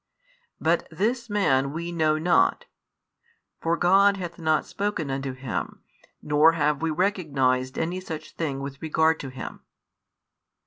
But this Man we know not, for God hath not spoken unto Him, nor have we recognised any such thing with regard to Him."